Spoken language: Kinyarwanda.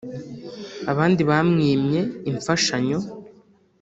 abandi bamwimye imfashanyo